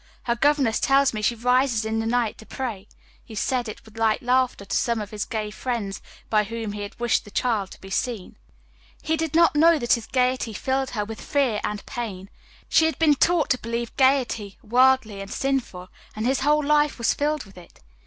Her governess tells me she rises in the night to pray." He said it with light laughter to some of his gay friends by whom he had wished the child to be seen. He did not know that his gayety filled her with fear and pain. She had been taught to believe gayety worldly and sinful, and his whole life was filled with it.